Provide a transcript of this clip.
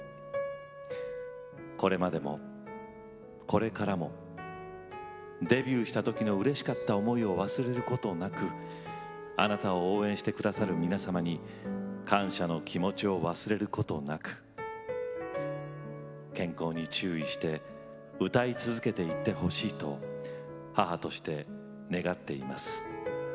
これまでも、これからもデビューした時のうれしかった思いを忘れることなくあなたを応援してくださる皆様に感謝の気持ちを忘れることなく健康に注意して歌い続けていってほしいと母として願っています。